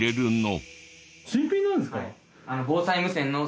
新品なんですか？